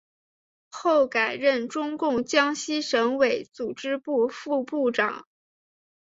后改任中共江西省委组织部副部长。